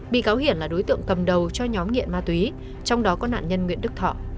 bị cáo hiển là đối tượng cầm đầu cho nhóm nghiện ma túy trong đó có nạn nhân nguyễn đức thọ